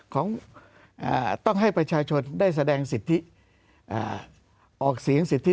ของต้องให้ประชาชนได้แสดงสิทธิออกเสียงสิทธิ